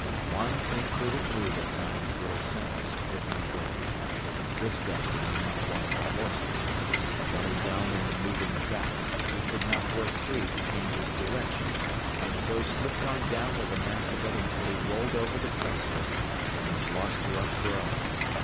One imprudent move at times would have sent us over the brink. This destiny met one of our horses. Belly down in the moving trap, he could not work free to change his direction and so slipped on down with a mass of it until he rolled over the precipice and was lost to us forever.